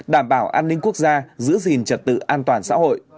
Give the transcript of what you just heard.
đảm bảo an ninh quốc gia giữ gìn trật tự an toàn xã hội